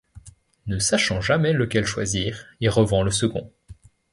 Ne sachant jamais lequel choisir, il revend le second.